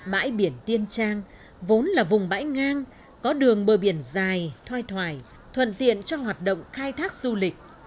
bãi biển tiên trang vốn là vùng bãi ngang có đường bờ biển dài thoai thoải thuận tiện cho hoạt động khai thác du lịch